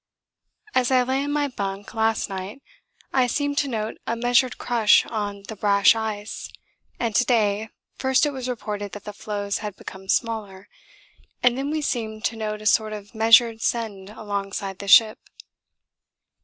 As I lay in my bunk last night I seemed to note a measured crush on the brash ice, and to day first it was reported that the floes had become smaller, and then we seemed to note a sort of measured send alongside the ship.